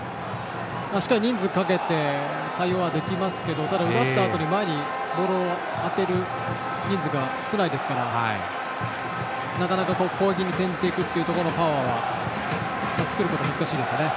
しっかり人数をかけて対応はできますがただ、奪ったあとに前にボールをあてる人数が少ないですからなかなか攻撃に転じていくパワーは作ることが難しいですね。